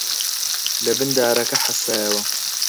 لەبن دارەکە حەسایەوە